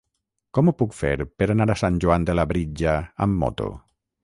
Com ho puc fer per anar a Sant Joan de Labritja amb moto?